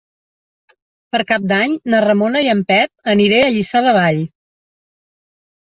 Per Cap d'Any na Ramona i en Pep aniré a Lliçà de Vall.